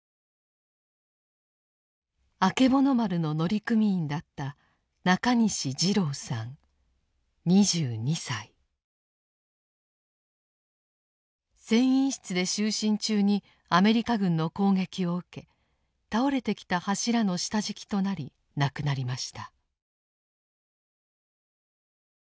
あけぼの丸の乗組員だった船員室で就寝中にアメリカ軍の攻撃を受け倒れてきた柱の下敷きとなり亡くなりました。